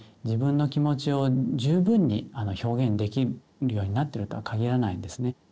自分の気持ちを十分に表現できるようになってるとは限らないんですね。